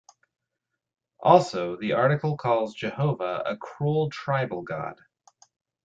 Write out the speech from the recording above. Also the article calls "Jehovah" a cruel tribal God.